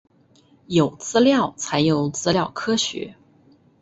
有资料才有资料科学